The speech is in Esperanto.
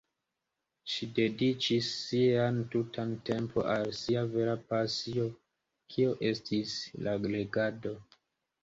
Ŝi dediĉis sian tutan tempon al sia vera pasio kio estis la legado.